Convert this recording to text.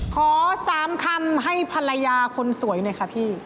ขอ๓คำให้ภรรยาคนสวยหน่อยค่ะพี่